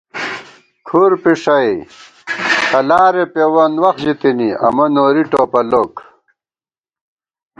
کھُرپݭٹَئی قلارےپېوَن وخت ژتِنی امہ نوری ٹوپَلوک